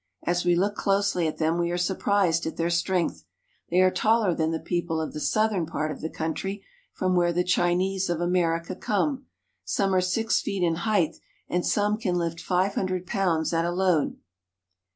As we look closely at them we are surprised at their strength. They are taller than the people of the southern part of the country, from where the Chinese of America come. Some are six feet in height, and some can lift five hundred pounds at a load.